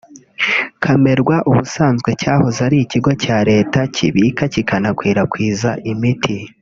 Camerwa ubusanzwe cyahoze ari ikigo cya Leta kibika kikanakwirakwiza imiti